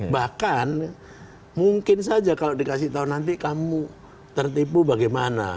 bahkan mungkin saja kalau dikasih tahu nanti kamu tertipu bagaimana